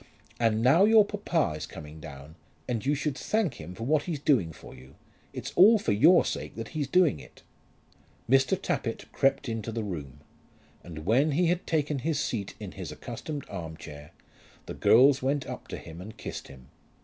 "And now your papa is coming down, and you should thank him for what he's doing for you. It's all for your sake that he's doing it." Mr. Tappitt crept into the room, and when he had taken his seat in his accustomed arm chair, the girls went up to him and kissed him.